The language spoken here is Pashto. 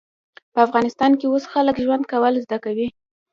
په افغانستان کې اوس خلک ژوند کول زده کوي